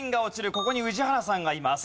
ここに宇治原さんがいます。